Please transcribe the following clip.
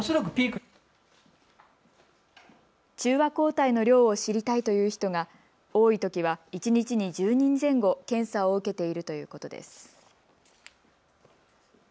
中和抗体の量を知りたいという人が多いときは一日に１０人前後検査を受けているということです。